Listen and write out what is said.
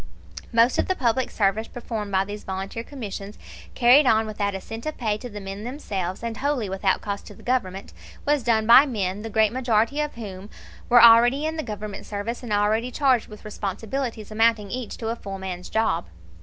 Most of the public service performed by these volunteer commissions, carried on without a cent of pay to the men themselves, and wholly without cost to the Government, was done by men the great majority of whom were already in the Government service and already charged with responsibilities amounting each to a full man's job.